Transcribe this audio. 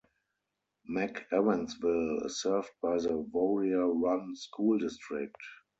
McEwensville is served by the Warrior Run School District.